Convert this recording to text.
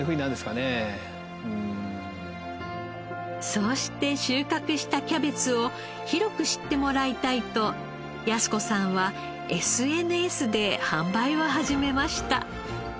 そうして収穫したキャベツを広く知ってもらいたいと靖子さんはＳＮＳで販売を始めました。